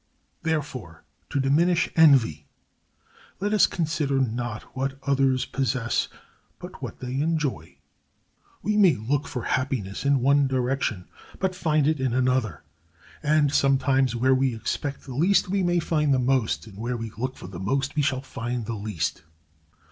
Therefore, to diminish envy, let us consider not what others possess, but what they enjoy. We may look for happiness in one direction, but find it in another, and sometimes where we expect the least we may find the most, and where we look for the most we shall find the least.